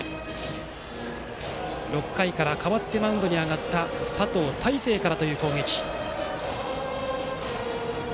６回から代わってマウンドに上がった佐藤大清から。